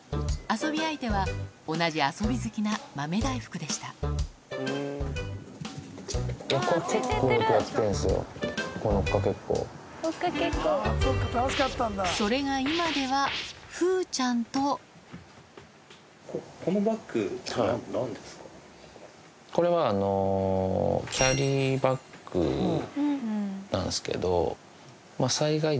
遊び相手は同じ遊び好きな豆大福でしたそれが今では風ちゃんとこれはあのキャリーバッグなんですけど。